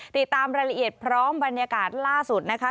ติดตามรายละเอียดพร้อมบรรยากาศล่าสุดนะคะ